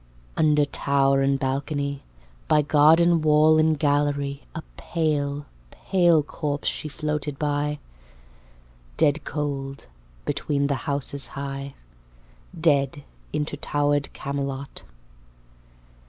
Under tower and balcony, By gardenwall and gallery, A pale, pale corpse she floated by, Deadcold, between the houses high, Dead into towered Camelot.